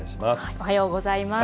おはようございます。